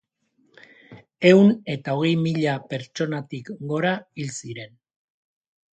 Ehun eta hogei mila pertsonatik gora hil ziren.